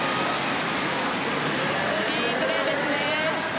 いいプレーですね。